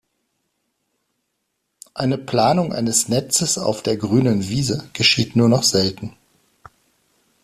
Eine Planung eines Netzes auf der „grünen Wiese“ geschieht nur noch selten.